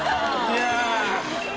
いや。